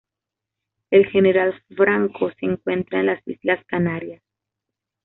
El general Franco se encuentra en las islas Canarias.